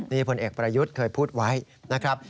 นี่พลเอกประยุทธ์เคยพูดไว้นะครับ